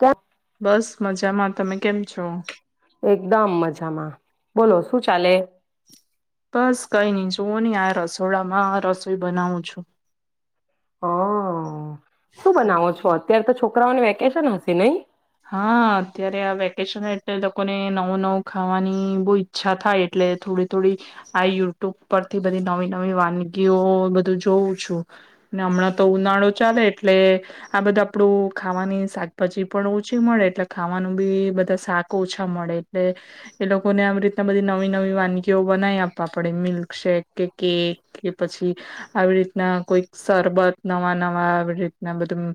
ક્યા બસ મજામાં. તમે કેમ છો? દમ મજામાં, બોલો શું ચાલે? બસ કઈ નઈ, જોુુંની આ રસોડામાં રસોઈ બનાવું છું. હા, શું બનાવો છો? અત્યારે તો છોકરાઓને વેકેશન હશે નઈ? હા, અત્યારે આ વેકેશન એટલે લોકોને નવું નવું ખાવાની બહુ ઈચ્છા થાય, એટલે થોડી થોડી આ યુટ્યુબ પરથી બધી નવી નવી વાનગીઓ બધું જોઉં છું ને હમણાં તો ઉનાળો ચાલે એટલે આ બધું આપડું ખાવાની શાકભાજી પણ. ઓછી મળે એટલે ખાવાનું બી બધા શાક ઓછા મળે, એટલે એ લોકોને આવી રીતના બધી નવી નવી વાનગીઓ બનાવી આપવા પડે, મિલ્ક શેક કે કેક કે પછી આવી રીતના કોઈક સરબત નવા નવા આવી રીતના બધું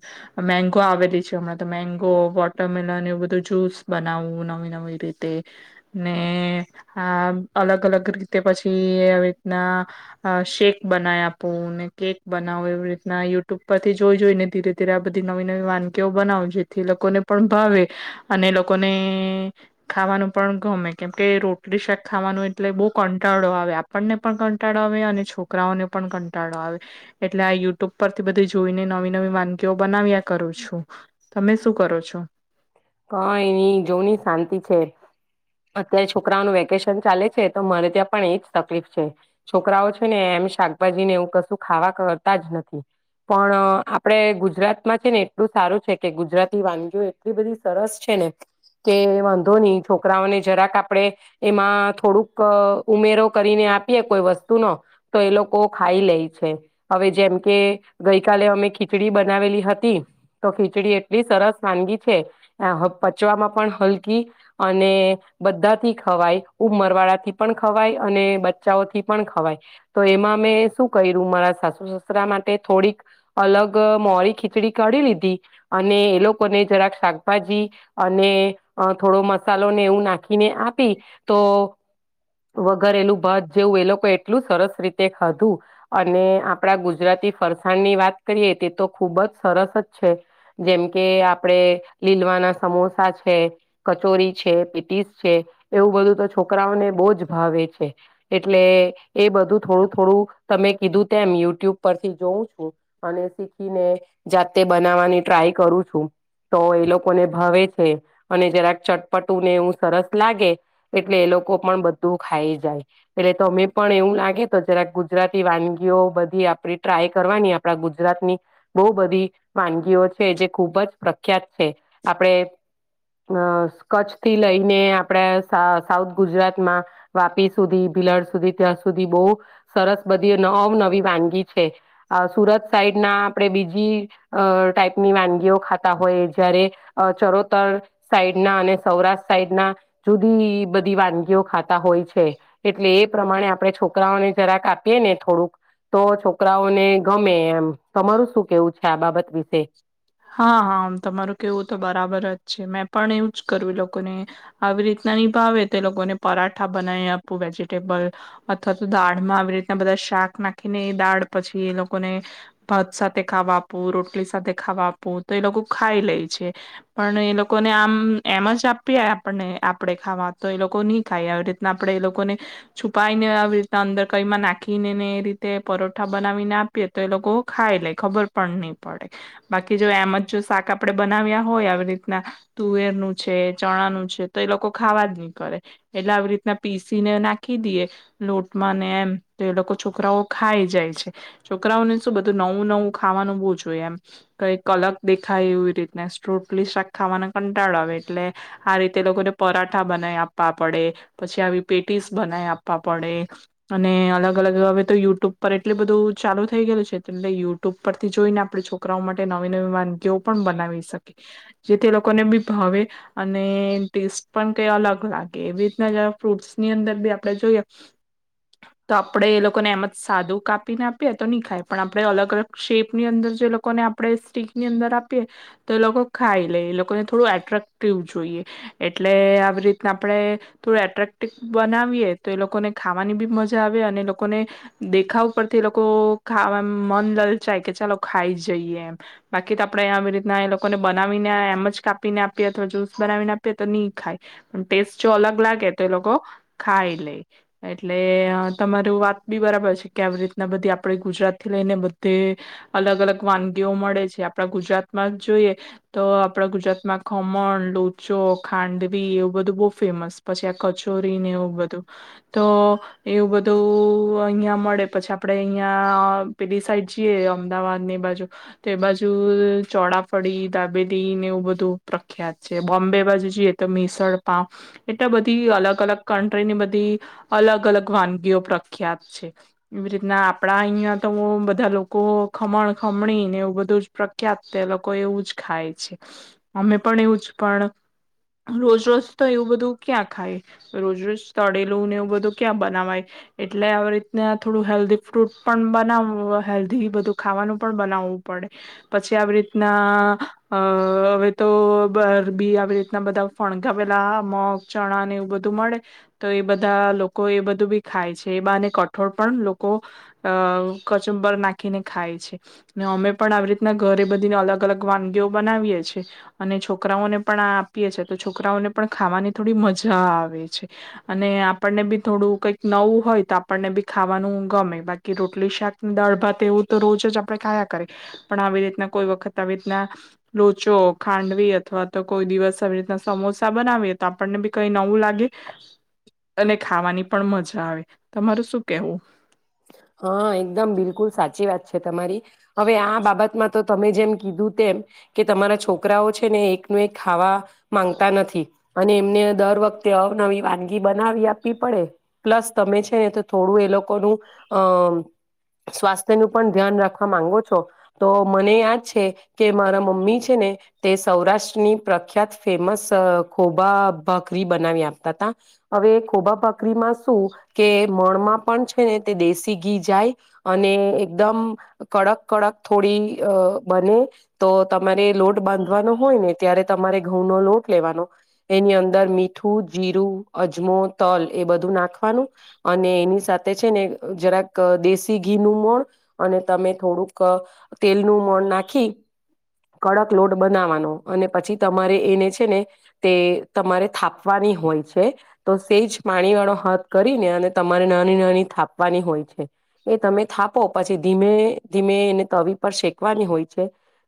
મેગો આવેલી છે હમણાં તો, મેગો. વોટરમિલન એવું બધું જ્યુસ બનાવવું નવી નવી રીતે ને આ અલગ અલગ રીતે પછી આવી રીતના શેક બનાવી આપવું ને કેક બનાવું એવી રીતના યુટ્યુબ પરથી જોઈ જોઈને ધીરે ધીરે આ બધી નવી નવી વાનગીઓ બનાવું, જેથી લોકોને પણ ભાવે અને લોકોને ખાવાનું પણ ગમે, કેમકે રોટલી શાક ખાવાનું એટલે બહુ કંટાળો આવે, આપણને પણ કંટાળો આવે અને છોકરાઓને પણ કંટાળો આવે, એટલે આ યુટ્યુબ પરથી બધી જોઈને નવી નવી વાનગીઓ બનાવ્યા કરું છું, તમે શું કરો છો? [unintelligible] કઈની જોની શાંતિ છે. અત્યારે છોકરાઓનું વેકેશન ચાલે છે તો મરે ત્યાં પણ એજ તકલીફ છે. છોકરાઓ છે ને એમ શાકભાજી ને એવું કશું ખાવા કરતા જ નથી, પણ આપડે ગુજરાત માં છે ને એટલું સારું છે કે ગુજરાતી વાનગીઓ એટલી બધી સરસ છે ને કે વાંધો ની છોકરાઓને જરાક આપડે એમાં થોડુંક ઉમેરો કરીને આપીએે કોઈ વસ્તુનો, તો એ લોકો ખાઈ લે છે. હવે જેમકે ગઈ કલે અમે ખીચડી બનાવેલી હતી તો ખીચડી એટલી સરસ વાનગી છે પચવામાં પણ હલકી અને બધાથી ખવાય ઉમરવાળાથી પણ ખવાય અને બચ્ચાઓથી પણ ખવાય, તો એમાં મેં શું કર્યું મારા સાસુ સસુરા માટે થોડીક અલગ મોરી ખીચડી કાઢી લીધી અને એ લોકોને જરાકા શાક ભાજી અને થોડો મસાલો ને એવું નાખીને આપી તો વગરેલું ભાત જેવું એ લોકો એટલું સરસ રીતે ખાધું અને આપડા ગુજરાતી ફરસાણ ની વાત કરીએ તે તો ખુબજ સરસ જ છે, જેમ કે આપડે લીલવાના સમોસા છે, કચોરી છે, પીટીસ છે, એવું બધું તો છોકરાઓને બહુ જ ભાવે છે, એટલે એ બધું થોડું થોડું તમે કીધું તેમ યુટ્યુબ પરથી જોઉં છું અને શીખીને જાતે બનાવવાની ટ્રાય કરું છું. તો એ લોકોને ભવે છે અને જરાક ચટપટુંને એવું સરસ લાગે એટલે એ લોકો પણ બધું ખાઈ જાય, એટલે તો અમે પણ એવું લાગે તો જરાક ગુજરાતી વાનગીઓ બધી આપડી ટ્રાય કરવાની આપડા ગુજરાતની બો બધી વાનગીઓ છે જે ખૂબજ પ્રખ ખીયાત છે. આપડે અહ કચ્છથી લઈને આપડા સાઉથ ગુજરાતમાં વાપી સુધી, ભિલાડ સુધી, ત્યાં સુધી, બહુ સરસ બધી અવનવી વાનગી છે. આ સુરત સાઈડ ના આપડે બીજી ટાઈપની વાનગીઓ ખા ય જયારે ચરોતર સાઈડના અને સૌરાષ્ટ્ર સાઈડના જુદી બધી વાનગીઓ ખાતા હોય છે એટલે એ પ્રમાણે. આપણે છોકરાઓને જરાક આપીએ ને થોડુંક. તો છોકરાઓને ગમે એમ. તમારું શું કેવું છે. આ બાબત વિ. હા હા. તમારું કેવું તો બરાબર જ છે મેં પણ એવું જ ક એ લોકોને આવી રીતના ની ભાવે તો લોકોને પરાઠા બનાવી આપવું વેજીિટેબલ અથવા તો દાળ માં આવી રીતના બધા શાક નાખીને એ દાળ પછી એ લોકોને ભત સાથે ખાવા આપવું. આપલી સાથે ખાવા આપવું તો એ લોકો ખાઈ લે છે પણ એ લોકોને આમ એમ જ આપી આપણને આપણેે ખાવા તો એ લોકો નહી ખાઈ આવી રીતના આપડણે એ લોકોને છુપાઈને આવી રીતના અંદર કઈમાં નાખીને ને એ રીતે પરોઠા બનાવીને આપીએ તો એ લોકો ખાઈ લે ખબર પણ નહી. પાડી બાકી જો એમ જ જો શાક આપડે બનાવ્યા હોય આવી રીતના તુવેરનું છે ચણાનું છે તો એ લોકો ખાવા જ નહી કરે એટલે આવી રીતના પીસીને નાખી દઈએ લોટમાંને એમ તો એ લોકો છોકરાઓ ખાઈ જાય છે છોકરાઓને શું બધું નવું નવું ખાવાનું બહુ. કઈક કલગ દેખાય એવી રીત રોટલી શાક ખાવાના કંટાળ આવે એટલે આ રીતે લોકોને પરાઠા બનાવી આપવા પડે પછી આવી પેટીસ બનાવી આપવા પડે અને અલગ અલગ હવે તો યુટ્યુબ પર એટલી બધું ચાલુ થઈ ગયેલું છે એટલે યુટ્યુબ પરથી જોઈને. આપણે છોકરાઓ માટે નવી નવી વાનગીઓ પણ બનાવી શકીએ જેથી એ લોકોને બી ભવે અને ટેસ્ટ પણ કઈ અલગ લાગે એવી રીતના જ ફ્રૂટ્સની અંદર બી આપણે જોઈએ તો આપણે એ લોકોને એમ જ સાદું કાપીને આપીએ તો નહી ખાય પણ આપણે અલગ અલગ શેપની અંદર જે લોકોને આપણે સ્ટીકની અંદર આપીએ તો એ લોકો ખાઈ લે એ લોકોને થોડું એટ્રેક્ટિવ જોઈએ એટલે આવી રીતના આપણે થોડું એટક્ટ. બનાવીએ તો એ લોકોને ખાવાની બી મજા આવે અને એ લોકોને દેખાવ પરથી લોકો ખા મન લલચાય કે ચાલ. ખાઈ જઈએ એમ બાકી તો આપણે આવી રીતના એ લોકોને બનાવીને એમ જ કાપીને આપીએ અથવા જ્યુસ બનાવીને આપીએ તો નહી ખાય પણ ટેસ્ટ જો અલગ લાગે તો એ લોકો ખાઈ લે એટલે તમાર વાત બી બરાબર છે કે આવી રીતના બધી આપણે ગુજરાતથી લઈને બધે. અલગ અલગ વાનગીઓ મળે છે. આપડા ગુજરાતમાં જોઈએ તો આપણા ગુજરાતમાં ખમણ, લુચો, ખાંડવી એવું બધું બહુ ફેમસ પછી આ કચ્છ ડુંગરીને એવું બધું તો. એવું બધું અહિયાં મળે પછી આપડે અહિયાં પેલી સાઈડ જઈએ એમ. અમદાવાદ ની બાજુ તો એ બાજુ ચોડાફડી, દાબેલી ને એવું બધું પ્રખ્યાત છે. બોમ્બે બાજુ જઈએ તો મિસળપ એટલા બધી અલગ અલગ કન્ટ્રીની બધી અલગ અલગ વાનગીઓ પ્રખ્યાત છે. એવી રીતના આપડા અહીંયા તો બધા લોકો ખમણ, ખમણી ને એવું બધું જ પ્રખ્યાત તે લોકો એવું જ ખાય છે. અમે પણ એવું જ પણ રોજ રોજ તો એવું બધું ક્યાં ખાય. રોજ રોજ તળેલું ને એવું બધું ક્યાં બનાવાય એટલે આવી રીતના થોડું હેલ્ધી ફ્રૂટ પણ બનાવ હોવા હેલ્થી ને બધુ ખાવાનું પણ બનાવવું પડે. પછી આવી રીતના અ હવે તો બરબી આવી રીતના બધા ફણગાવેલા મગ, ચણા ને એવું બધું મળે તો એ બધા લોકો એ બધું બી ખાય છે. એ બાને કઠોળ પણ લોકો અ કચુંબર નાખીને ખાય છે. ને અમે પણ આવી રીતના ઘરે બધીને અલગ અલગ વાનગીઓ બનાવીએ છીએ અને છોકરાઓને પણ આ આપીએ છે. તો છોકરાઓને પણ ખાવાની થોડી મજા આવે છે અને આપણને બી થોડું કંઈક નવું હોય તો આપણને બી ખાવાનું ગમે બાકી રોટલી, શાક, દાળભાત એવું તો રોજ જ આપણે ખાયા કરીએ. પણ આવી રીતના કોઈ વખત આવી રીતના લોચો, ખાંડવી અથવા તો કોઈ દિવસ આવી રીતના સમોસા બનાવીએ તો આપણને બી કઈ નવું લાગે અને ખાવાની પણ મજા આવે. તમારું શું કેવું? હા એકદમ બિલકુલ સાચી વાત છે તમારી હવે આ બાબતમાં તો તમે જેમ કીધું તેમ કે તમારા છોકરાઓ છે ને એકનું એક ખાવા માંગતા નથી અને એમને દર વખતે અવનવી વાનગી બનાવી આપવી પડે પ્લસ તમે છે ને તો થોડું એ લોકોનું અ સ્વાસ્થ્ય નું પણ ધ્યાન રાખવા માંગો છો. તો મને યાદ છે કે મારા મમ્મી છે ને તે સૌરાષ્ટ્રની પ્રખ્યાત ફેમસ ખોભા ભકરી બનાવી આપતા હતા. હવે ખોભા ભકરીમાં શું કે મણમાં પણ છે ને દેશી ઘી જાય અને એકદમ કડક કડક થોડી અ બને તો તમારે લોટ બાંધવાનો હોય ને ત્યારે તમારે ઘઉં નો લોટ લેવાનો એની અંદર મીઠું, જીરું, અજમો, તલ એ બધું નાખવાનું અને એની સાથે છે ને જરાક દેશી ઘીનું મણ અને તમે થોડુંક તેલનું મોણ નાખી કડક લોટ બનાવાનો અને પછી તમારે એને છે ને તે તમારે થાપવાની હોય છે. તો સેજ પાણી વાળો હથ કરીને અને તમારે નાની નાની થાપ વાની હોય છે એ તમે થાપો પછી ધીમે ધીમે એને તવી પર શેકવાની હોય છે.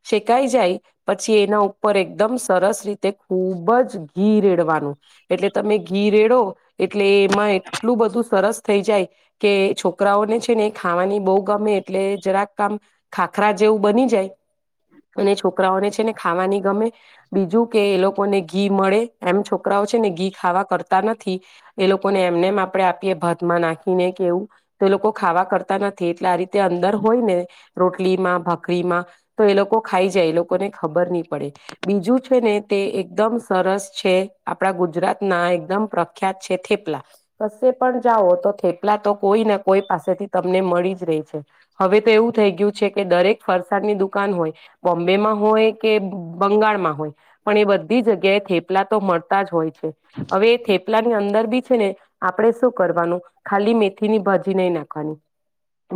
શેકાઈ જાય પછી એના ઉપર એકદમ સરસ રીતે ખુબ જ ઘી રેડવાનું એટલે તમે ઘી રેડો એટલે એમાં એટલું બધું સરસ થઈ જાય કે છોકરાઓને છે ને એ ખાવાની બહુ ગમે એટલે જરાક કામ ખાખરા જેવું બની જાય અને છોકરાઓને છે ને ખાવાની ગમે બીજું કે એ લોકોને ઘી મળે એમ છોકરાઓ છે ને ઘી ખાવા કરતા નથી. એ લોકોને એમને આપણે આપીએ ભાતમાં નાખીને કેવું તો એ લોકો ખાવા કરતા નથી એટલે આ રીતે અંદર હોય ને રોટલીમાં ભાખરીમાં તો એ લોકો ખાઈ જાય એ લોકોને ખબર નહી પડે. બીજું છે ને તે એકદમ સરસ છે આપડા ગુજરાત ના એકદમ પ્રખ્યાત છે થેપલા કશે પણ જાઓ તો થપ થેપલા તો કોઈ ના કોઈ પાસેથી તમને મળી જ રહી છે. હવે તો એવું થઈ ગયું છે કે દરેક ફરસાદની દુકાન હોય બોમ્બેમાં હોય કે બંગાળમાં હોય પણ એ બધી જગ્યાએ થેપલા તો મળ તા જ હોય છે હવે એ થેપલા ની અંદર બી છે ને, આપડે શું કરવાનું ખાલી મેથીની ભાજી નહીં નાખવાની,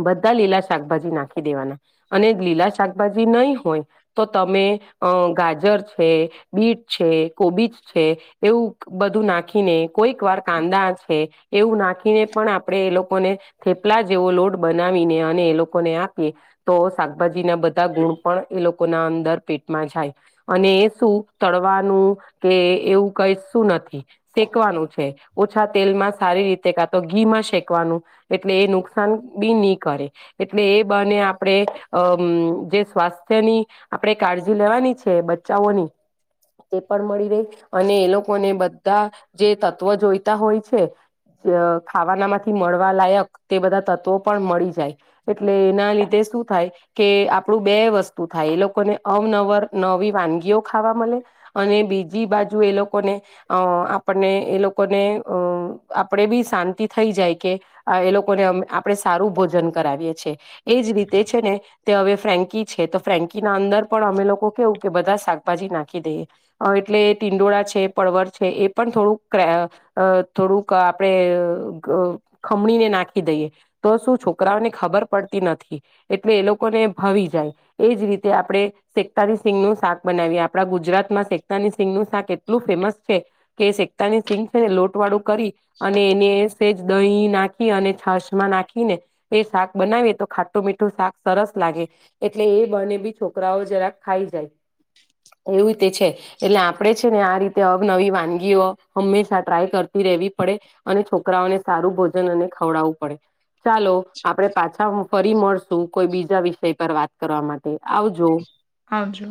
બધા લીલા શાકભાજી નાખી દેવાના. અને લીલા શાકભાજી નહીં હોય, તો તમે ગાજર છે, બીટ છે, કોબીજ છે, એવું બધું નાંખીને, કોઈક વાર કાંદા છે, એવું નાખી ને પણ આપણે એ લોકોને થેપલા જેવો લોટ બનાવીને અને એ લોકોને આપીએ તો શાકભાજીના બધા ગુણ પણ એ લોકોના અંદર પેટમાં જાય. અને શું, તળવાનું કે એવું કઈ શું નથી શેકવાનું છે, ઓછા તેલમાં સારી રીતે તે કાં તો ઘીમાં શેકવાનું, એટલે એ નુકસાન બી ની કરે. એટલે એ બાને આપણેે અ જે સ્વાસ્થ્યની આપણેે કાળજી લેવાની છે બચ્ચાઓની, એ પણ મળી રેય અને એ લોકોને બધ બધા જે તત્વો જોઈતા હોય છે ખાવાનામાંથી મળવા લાયક, તે બધા તત્વો પણ મળી જાય. એટલે એના લીધે શું થાય, કે આપણું બે વસ્તુ થાય. એ લોકોને અવનવર નવી વાનગીઓ ખાવા મલે, અને બીજી બાજુ એ લોકોને અ આપણને એ લોકોને અ આપડે બી શાંતિ થઈ જાય, કે એ લોકોને આપડે સારું ભોજન કરાવીએ છે. એજ રીતે છે ને તે હવે ફ્રેન્કી છે, તો ફ્રેન્કીના અંદર પણ અમે લોકો કેવું કે બધા શાકભાજી નાખી દઈએ. એટલે ટિંડોળા છે પળવર છે એ પણ થોડુંક ક થોડુંક ક આપડે ગ ખમણીને નાખી દઈએ. તો શું છોકરાઓને ખબર પડતી નથી. એટલે એ લોકોને ભાવી જાય. એજ રીતે આપણે સેકટાની સિંગનું શાક બનાવીએ. આપડા ગુજરાતમાં શેગટાની સિંગનું શાક એટલું ફેમસ છે કે શેગટાની શિંગ છે ને, લોટવાળું કરી અને એને સ્હેજ દહીં નાખી અને છાશ માં નાખીને એ શાક બનાવીએ, તો ખાટું મીઠું શાક સરસ લાગે. એટલે એ બહાને બી છોકરાઓ જરાક ખાઈ જાય. એવી રીતે છે. એટલે આપણેે છે ને આ રીતે અવનવી વાનગીઓ હંમેશા ટ્રાય કરતી રેવી અને છોકરાઓને સારું ભોજન અને ખવડાવવું પડે. ચાલો આપડે પાછા મ ફરી મળશું કોઈ બીજ બીજા વિષય પર વાત કરવા માટે. આવજો આવજો.